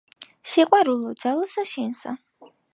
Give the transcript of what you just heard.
სიყვარულო, ძალსა შენსა!